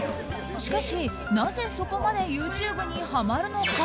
しかし、なぜそこまでＹｏｕＴｕｂｅにハマるのか。